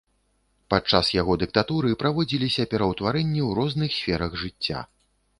Падчас яго дыктатуры праводзіліся пераўтварэнні ў розных сферах жыцця.